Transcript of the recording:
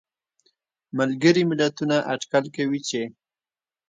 ملګري ملتونه اټکل کوي چې